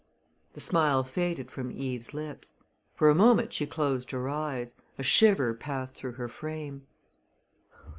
The smile faded from Eve's lips. For a moment she closed her eyes a shiver passed through her frame.